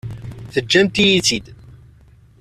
Teǧǧamt-iyi-tt-id.